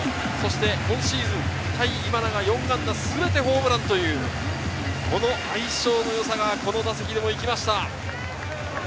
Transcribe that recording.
今シーズン、対今永、４安打全てホームランという相性の良さがこの打席でも行きました。